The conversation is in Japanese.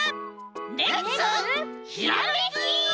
レッツひらめき！